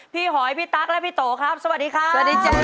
พี่หอยพี่ตั๊กและพี่โตครับสวัสดีครับ